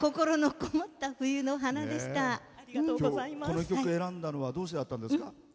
この曲、選んだのはどうしてだったんですか？